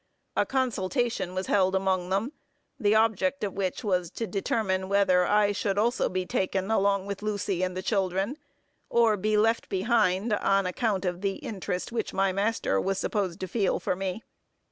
A consultation was held among them, the object of which was to determine whether I should also be taken along with Lucy and the children, or be left behind, on account of the interest which my master was supposed to feel for me.